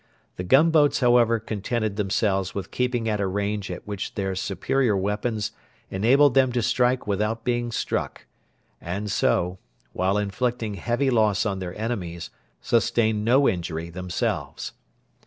The gunboats, however, contented themselves with keeping at a range at which their superior weapons enabled them to strike without being struck, and so, while inflicting heavy loss on their enemies, sustained no injury themselves.